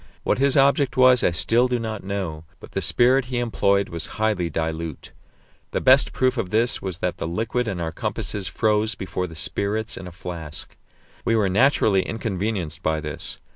What his object was I still do not know, but the spirit he employed was highly dilute. The best proof of this was that the liquid in our compasses froze before the spirits in a flask. We were naturally inconvenienced by this.